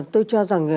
tôi cho rằng